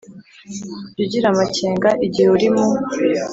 Jya ugira amakenga igihe uri mu